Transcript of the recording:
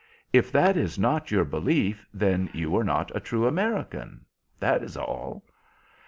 If that is not your belief then you are not a true American, that is all."